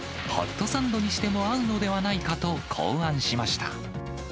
ホットサンドにしても合うのではないかと考案しました。